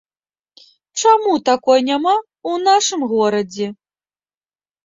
Чаму такой няма ў нашым горадзе?